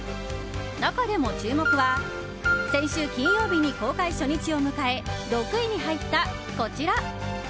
中でも注目は先週金曜日に公開初日を迎え６位に入った、こちら。